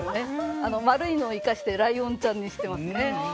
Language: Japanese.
丸いのを生かしてライオンちゃんにしてますね。